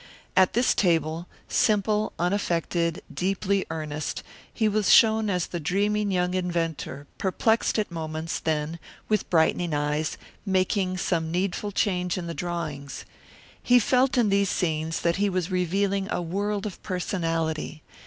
At this table, simple, unaffected, deeply earnest, he was shown as the dreaming young inventor, perplexed at moments, then, with brightening eyes, making some needful change in the drawings. He felt in these scenes that he was revealing a world of personality.